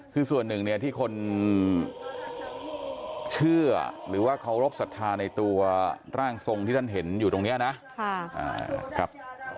คือส่วนหนึ่งเนี่ยที่คนเชื่อหรือว่าเคารพสัทธาในตัวร่างทรงที่ท่านเห็นอยู่ตรงนี้นะ